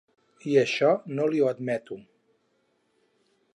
I això no li ho admeto.